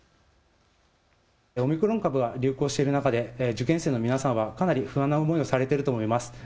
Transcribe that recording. オミクロン株が流行している中で受験生の皆さんがかなり不安な思いをされていると思います。